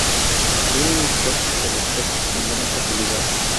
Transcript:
Crece en los patios de las casas con gran facilidad.